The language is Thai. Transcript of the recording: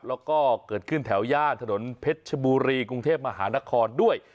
แล้วก็เกิดขึ้นแถวย่านถนนเพชรชบุรีกรุงเทพมหานครด้วย